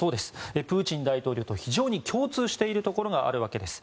プーチン大統領と非常に共通しているところがあるわけです。